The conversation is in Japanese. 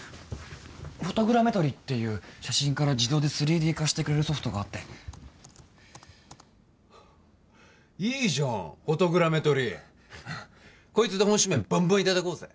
フォトグラメトリっていう写真から自動で３Ｄ化してくれるソフトがあっていいじゃんフォトグラメトリうんこいつで本指名バンバンいただこうぜ！